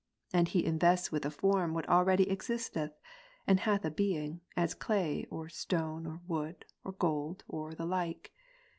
and he invests with a form what already existeth, and hath a being, as clay, or stone, or wood, or gold, or the like.